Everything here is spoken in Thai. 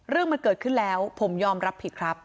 เรื่องมันเกิดขึ้นแล้วผมยอมรับผิดครับ